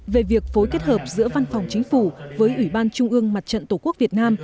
về việc phối kết hợp giữa văn phòng chính phủ với ủy ban trung ương mặt trận tổ quốc việt nam